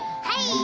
はい。